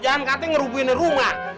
jangan katanya ngerubuhin rumah